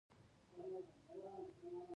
دا دوکاندار د خلکو اعتماد لري.